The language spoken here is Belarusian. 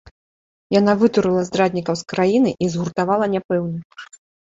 Яна вытурыла здраднікаў з краіны і згуртавала няпэўных.